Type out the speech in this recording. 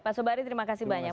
pak sobari terima kasih banyak